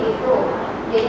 itu disaksikan sama orang lain